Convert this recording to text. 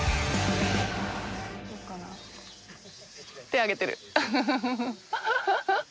手上げてる。